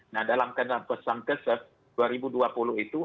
nah dalam pesan kesep dua ribu dua puluh itu